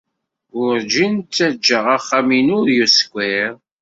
Werǧin ttaǧǧaɣ axxam-inu ur yeskiṛ.